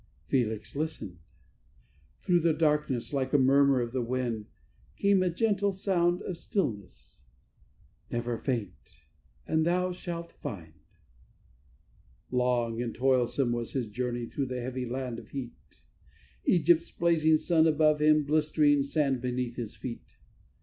Felix listened: through the darkness, like a murmur of the wind, Came a gentle sound of stillness: "Never faint, and thou shalt find." Long and toilsome was his journey through the heavy land of heat, Egypt's blazing sun above him, blistering sand beneath his feet.